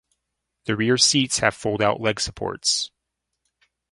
The rear seats have fold out leg supports.